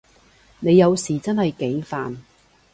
你有時真係幾煩